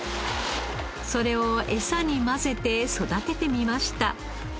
それをエサに混ぜて育ててみました。